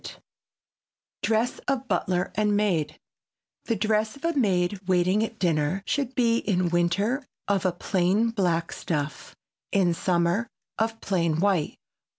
[Sidenote: DRESS OF BUTLER AND MAID] The dress of a maid waiting at dinner should be in winter of a plain black stuff, in summer of plain white.